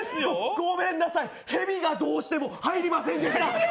ごめんなさい、へびがどうしても入りませんでした。